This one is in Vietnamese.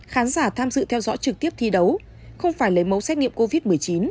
khán giả tham dự theo dõi trực tiếp thi đấu không phải lấy mẫu xét nghiệm covid một mươi chín